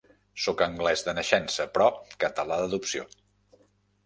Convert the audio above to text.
Soc anglès de naixença, però català d'adopció.